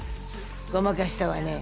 ごまかしたわね。